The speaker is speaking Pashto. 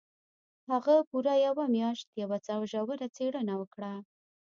هغه پوره یوه میاشت یوه ژوره څېړنه وکړه